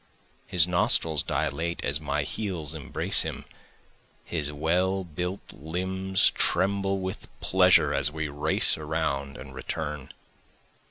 His nostrils dilate as my heels embrace him, His well built limbs tremble with pleasure as we race around and return.